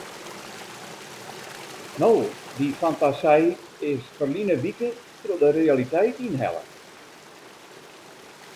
No, dy fantasy is ferline wike troch de realiteit ynhelle.